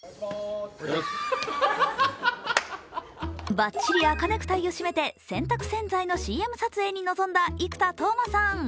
ばっちり赤ネクタイを締めて洗濯洗剤のＣＭ撮影に臨んだ生田斗真さん。